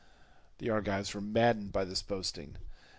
The Argives were maddened by this boasting.